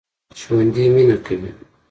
ژوندي مېنه کوي